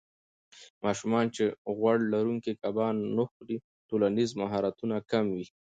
ماشومان چې غوړ لرونکي کبان نه خوري، ټولنیز مهارتونه کم وي.